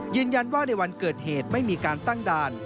ยืนยันว่าในวันเกิดเหตุไม่มีการตั้งด่าน